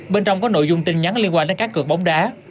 bên trong có nội dung tin nhắn liên quan đến cá cực bóng đá